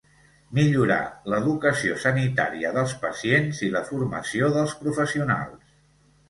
Millorar l'educació sanitària dels pacients i la formació dels professionals.